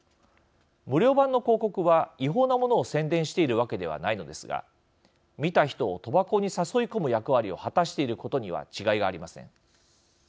無料版の広告は、違法なものを宣伝しているわけではないのですが見た人を賭博に誘い込む役割を果たしていることには違いがありません。